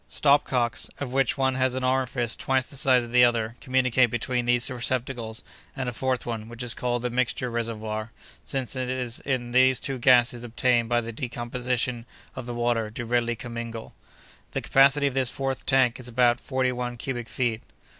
"Stopcocks, of which one has an orifice twice the size of the other, communicate between these receptacles and a fourth one, which is called the mixture reservoir, since in it the two gases obtained by the decomposition of the water do really commingle. The capacity of this fourth tank is about forty one cubic feet.